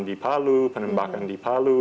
di palu penembakan di palu